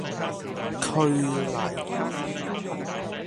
摳泥